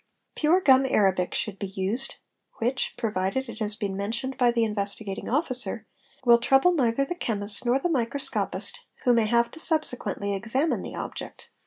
Pure gum arabic should be used which, provided it has ~ been mentioned by the Investigating Officer, will trouble neither the ' chemist nor the microscopist who may have to subsequently examine the object.